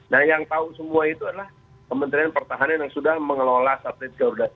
nah yang tahu semua itu adalah pemerintahan pertahanan yang sudah mengelola satelit ke dua puluh satu